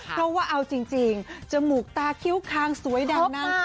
เพราะว่าเอาจริงจมูกตาคิ้วคางสวยดังนั้น